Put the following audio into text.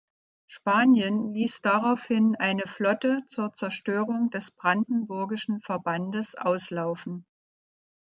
Spanien ließ daraufhin eine Flotte zur Zerstörung des brandenburgischen Verbandes auslaufen.